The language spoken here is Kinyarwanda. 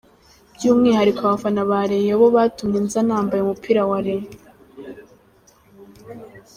By’umwihariko abafana ba Rayons bo batumye nza nambaye umupira wa Rayons.